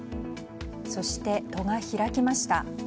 そして、戸が開きました。